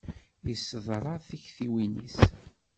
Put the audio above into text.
Yesseḍra tiktiwin-is.